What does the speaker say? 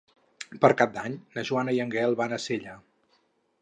Per Cap d'Any na Joana i en Gaël van a Sella.